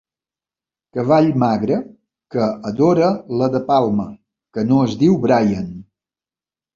Cavall magre que adora la De Palma que no es diu Brian.